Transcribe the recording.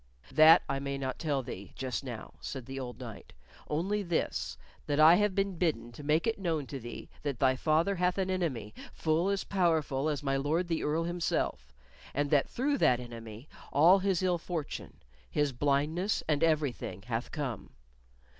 "That I may not tell thee just now," said the old knight, "only this that I have been bidden to make it known to thee that thy father hath an enemy full as powerful as my Lord the Earl himself, and that through that enemy all his ill fortune his blindness and everything hath come.